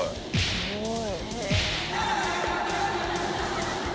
すごい。